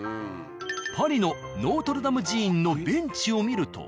パリのノートルダム寺院のベンチを見ると。